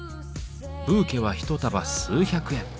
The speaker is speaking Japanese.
ブーケは一束数百円。